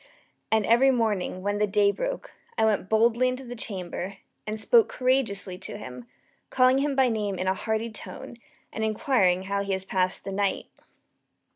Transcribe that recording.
And every morning, when the day broke, I went boldly into the chamber, and spoke courageously to him, calling him by name in a hearty tone, and inquiring how he has passed the night.